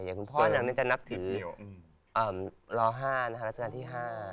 อย่างคุณพ่อจะนับถือร๕รัศกรรมที่๕